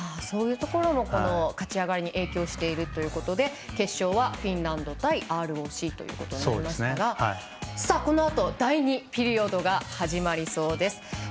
そういうところも勝ち上がりに影響しているということで決勝はフィンランド対ＲＯＣとなりましたがこのあと、第２ピリオドが始まりそうです。